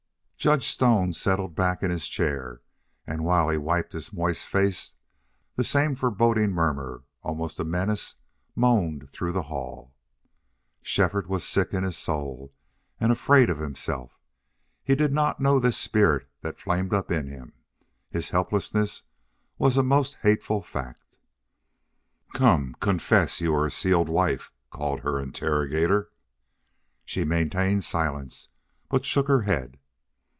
Judge Stone settled back in his chair, and while he wiped his moist face that same foreboding murmur, almost a menace, moaned through the hall. Shefford was sick in his soul and afraid of himself. He did not know this spirit that flamed up in him. His helplessness was a most hateful fact. "Come confess you are a sealed wife," called her interrogator. She maintained silence, but shook her head.